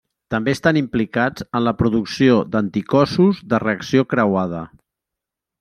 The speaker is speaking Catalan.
També estan implicats en la producció d'anticossos de reacció creuada.